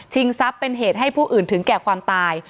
ทรัพย์เป็นเหตุให้ผู้อื่นถึงแก่ความตาย